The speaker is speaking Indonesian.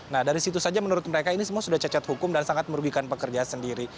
nah dari situ saja menurut mereka ini semua sudah cacat hukum dan sangat merugikan pekerja sendiri